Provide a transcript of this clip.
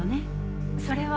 それは。